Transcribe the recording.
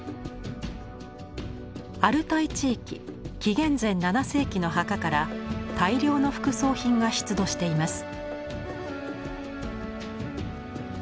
アルタイ地域紀元前７世紀の墓から大量の副葬品が出土しています。